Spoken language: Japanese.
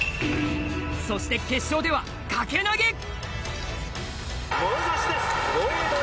そして決勝では、掛け投げ。